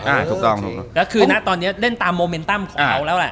อ่าถูกต้องถูกแล้วคือนะตอนเนี้ยเล่นตามโมเมนตัมของเขาแล้วแหละ